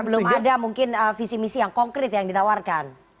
karena belum ada mungkin visi misi yang konkret yang ditawarkan